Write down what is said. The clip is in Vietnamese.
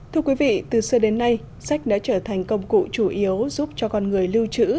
thưa quý vị từ xưa đến nay sách đã trở thành công cụ chủ yếu giúp cho con người lưu trữ